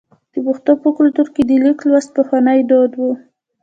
د پښتنو په کلتور کې د لیک لوستل پخوانی دود و.